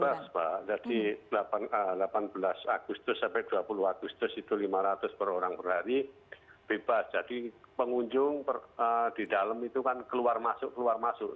bebas pak jadi delapan belas agustus sampai dua puluh agustus itu lima ratus per orang per hari bebas jadi pengunjung di dalam itu kan keluar masuk keluar masuk